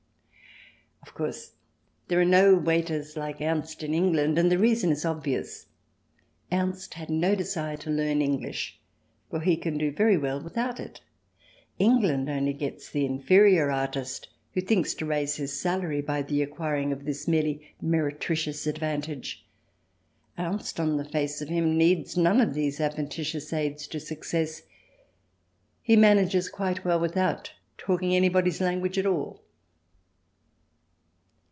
Of course there are no waiters like Ernst in England, and the reason is obvious. Ernst had no desire to learn English, for he can do very well without it. England only gets the inferior artist, who thinks to raise his salary by the acquiring of this merely meretricious advantage. Ernst, on the face of him, needs none of these adventitious aids to success ; he manages quite well without talking anybody's language at all.